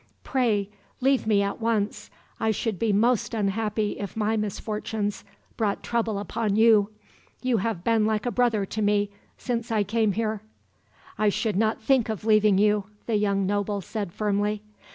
Pray leave me at once. I should be most unhappy if my misfortunes brought trouble upon you. You have been like a brother to me, since I came here." "I should not think of leaving you," the young noble said firmly.